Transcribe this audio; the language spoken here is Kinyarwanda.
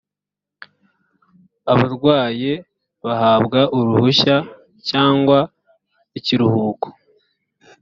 abarwaye bahabwa uruhushya cyangwa ikiruhuko